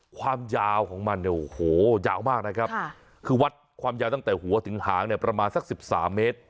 ความยาวของมันเนี่ยโอ้โหยาวมากนะครับคือวัดความยาวตั้งแต่หัวถึงหางเนี่ยประมาณสัก๑๓เมตร